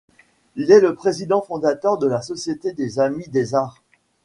Il est le président fondateur de la Société des Amis des Arts.